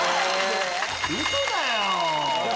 ウソだよ！